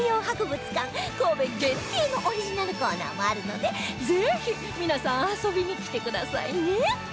神戸限定のオリジナルコーナーもあるのでぜひ皆さん遊びに来てくださいね！